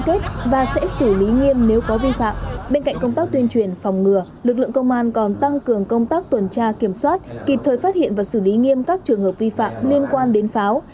lực lượng công an đã tăng cường công tác tuần tra kiểm soát kịp thời phát hiện và xử lý nghiêm các trường hợp vi phạm liên quan đến pháo